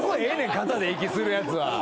肩で息するやつわ。